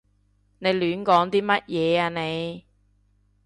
你亂講啲乜嘢啊你？